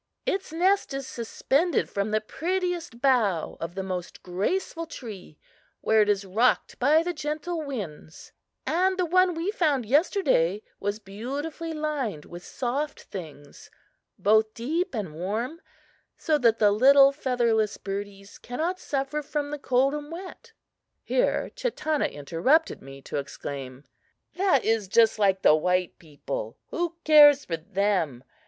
Its nest is suspended from the prettiest bough of the most graceful tree, where it is rocked by the gentle winds; and the one we found yesterday was beautifully lined with soft things, both deep and warm, so that the little featherless birdies cannot suffer from the cold and wet." Here Chatanna interrupted me to exclaim: "That is just like the white people who cares for them?